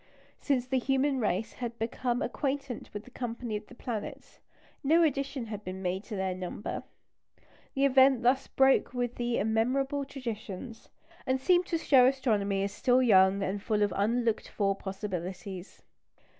Since the human race had become acquainted with the company of the planets, no addition had been made to their number. The event thus broke with immemorial traditions, and seemed to show astronomy as still young and full of unlooked for possibilities.